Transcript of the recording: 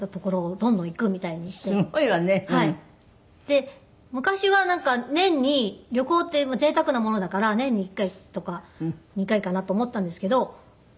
で昔はなんか年に旅行って贅沢なものだから年に１回とか２回かなと思ったんですけど。